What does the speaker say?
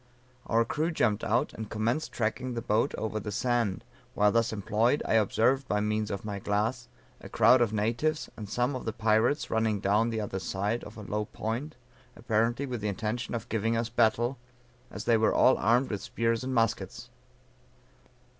Our crew jumped out, and commenced tracking the boat over the sand, and while thus employed, I observed by means of my glass, a crowd of natives, and some of the pirates running down the other side of a low point, apparently with the intention of giving us battle, as they were all armed with spears and muskets."